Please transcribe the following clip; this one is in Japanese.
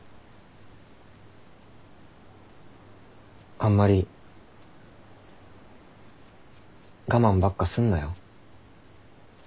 あんまり我慢ばっかすんなよ。